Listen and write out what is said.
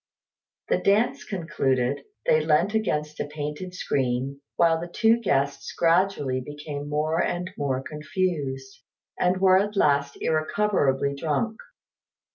The dance concluded, they leant against a painted screen, while the two guests gradually became more and more confused, and were at last irrecoverably drunk.